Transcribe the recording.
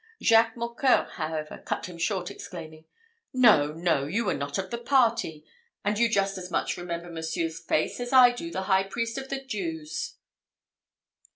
Jacques Mocqueur, however, cut him short, exclaiming, "No, no! you were not of the party; and you just as much remember monseigneur's face as I do the high priest of the Jews."